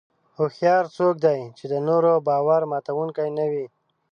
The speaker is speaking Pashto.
هوښیار څوک دی چې د نورو باور ماتوونکي نه وي.